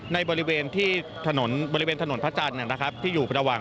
ในบริเวณที่ถนนพระจันทร์น่ะครับที่อยู่ระหว่าง